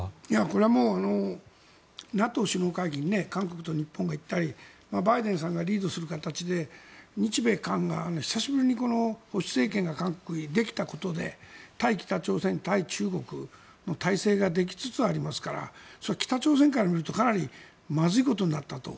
これはもうＮＡＴＯ首脳会議に韓国と日本が行ったりバイデンさんがリードする形で日米韓が、久しぶりに保守政権が韓国にできたことで対北朝鮮、対中国の体制ができつつありますからそれは北朝鮮から見るとかなりまずいことになったと。